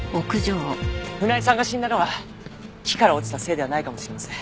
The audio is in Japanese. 船井さんが死んだのは木から落ちたせいではないかもしれません。